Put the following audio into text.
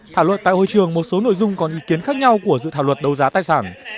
thảo luận tại hội trường một số nội dung còn ý kiến khác nhau của dự thảo luật đấu giá tài sản